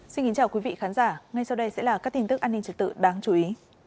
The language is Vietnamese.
xin kính chào quý vị khán giả ngay sau đây sẽ là các tin tức an ninh trật tự đáng chú ý